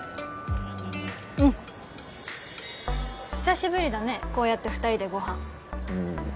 うん久しぶりだねこうやって二人でご飯うん